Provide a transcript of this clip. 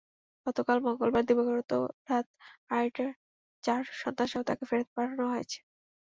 গতকাল মঙ্গলবার দিবাগত রাত আড়াইটায় চার সন্তানসহ তাঁকে ফেরত পাঠানো হয়েছে।